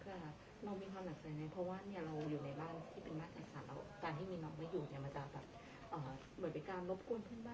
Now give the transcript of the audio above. เพราะว่าเราอยู่ในบ้านที่เป็นหมากสัก๓แล้ว